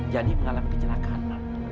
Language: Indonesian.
jadi mengalami kecelakaan ma